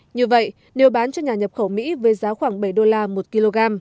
như vậy nếu bán cho nhà nhập khẩu mỹ với giá khoảng bảy đô la một kg